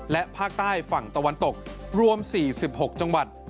และภาคใต้ฝั่งตะวันตกรวม๔๖จังหวัด